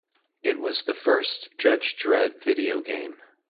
It was the first Judge Dredd video game.